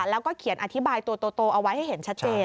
แล้วก็เขียนอธิบายตัวโตเอาไว้ให้เห็นชัดเจน